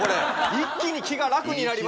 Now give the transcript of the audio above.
一気に気が楽になりました。